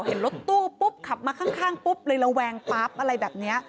เห็นรถตู้ปุ๊บขับมาข้างปุ๊บเลยระแวงปั๊บอะไรแบบนี้